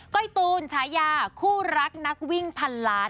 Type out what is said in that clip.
้อยตูนฉายาคู่รักนักวิ่งพันล้าน